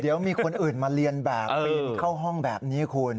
เดี๋ยวมีคนอื่นมาเรียนแบบปีนเข้าห้องแบบนี้คุณ